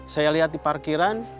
saya lihat di parkiran